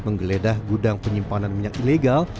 menggeledah gudang penyimpanan minyak ilegal